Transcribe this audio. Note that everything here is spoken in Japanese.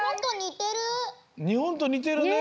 日本とにてるね。